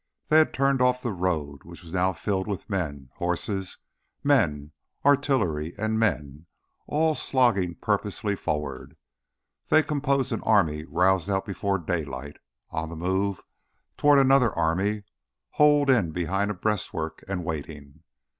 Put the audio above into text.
They had turned off the road, which was now filled with men, horses, men, artillery, and men, all slogging purposefully forward. They composed an army roused out before daylight, on the move toward another army holed in behind a breastworks and waiting.